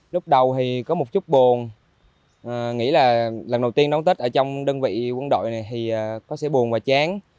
lúc đầu thì có một chút buồn nghĩ là lần đầu tiên đón tết ở trong đơn vị quân đội này thì có sẽ buồn và chán